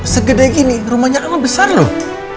segede gini rumahnya emang besar loh